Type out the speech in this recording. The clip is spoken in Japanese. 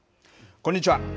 こんにちは。